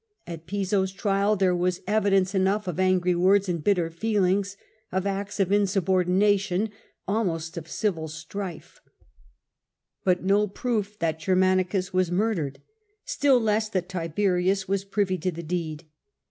At Piso's trial there was evidence enough of angry words and bitter feelings, u »«^ of acts of insubordination, almost of civil but no proof ^ of foul play, strife, but no proof that Germanicus was mur dered, still less that Tiberius was privy to the deed.